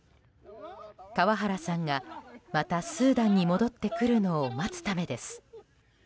川原さんがまたスーダンに戻ってくるのを待つためです。